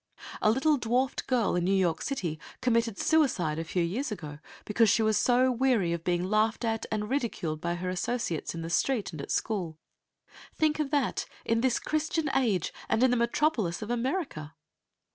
A little dwarfed girl in New York City committed suicide a few years ago because she was so weary of being laughed at and ridiculed by her associates in the street and at school. Think of that, in this Christian age, and in the metropolis of America!